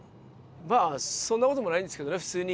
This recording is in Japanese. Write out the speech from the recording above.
まあそんなこともないんですけどね普通に。